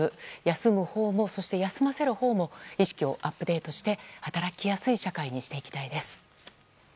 休むほうも休ませるほうも意識をアップデートして働きやすい社会にしていきたいです。